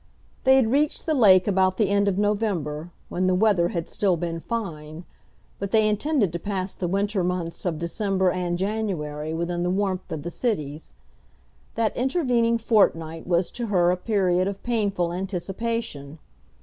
They had reached the lake about the end of November, when the weather had still been fine, but they intended to pass the winter months of December and January within the warmth of the cities. That intervening fortnight was to her a period of painful anticipation.